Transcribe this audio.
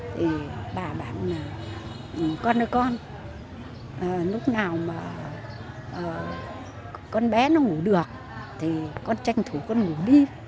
thì bà bảo là con ơi con lúc nào mà con bé nó ngủ được thì con tranh thủ con ngủ đi